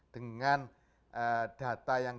dengan data yang